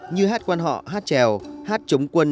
như hát quan họ hát trèo hát chống quân